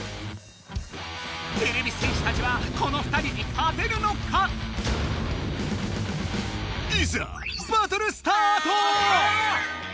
てれび戦士たちはこの２人に勝てるのか⁉いざバトルスタート！